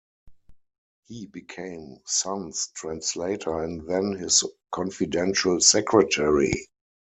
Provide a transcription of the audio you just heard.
He became Sun's translator and then his confidential secretary.